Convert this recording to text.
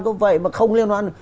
có vậy mà không liên hoan